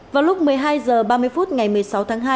vào lúc một mươi hai h ba mươi phút ngày một mươi sáu tháng hai